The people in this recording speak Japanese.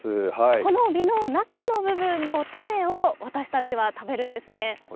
この実の中の部分の種を、私たちは食べるんですね。